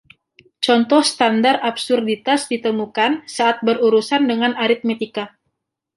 Contoh standar absurditas ditemukan saat berurusan dengan aritmetika.